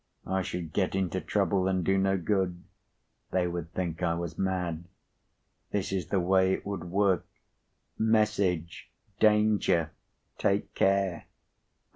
"I should get into trouble, and do no good. They would think I was mad. This is the way it would work:—Message: 'Danger! Take care!